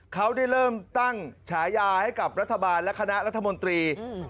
เขาได้เริ่มตั้งฉายาให้กับรัฐบาลและคณะรัฐมนตรีอืม